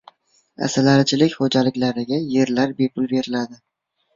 Asalarichilik xo‘jaliklariga yerlar bepul beriladi